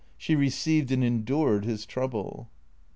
She received and endured his trouble.